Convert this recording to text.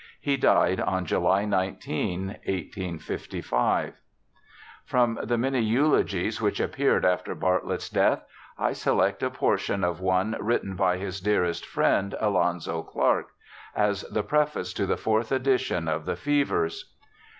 He died on July 19, 1855. 146 BIOGRAPHICAL ESSAYS From the many eulogies which appeared after Bart lett's death, I select a portion of one written by his dearest friend, Alonzo Clark, as the preface to the fourth edition of the Fevers.